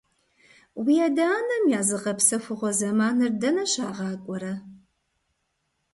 Уи адэ-анэм я зыгъэпсэхугъуэ зэманыр дэнэ щагъакӀуэрэ?